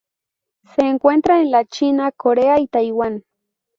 Se encuentra en la China, Corea y Taiwán.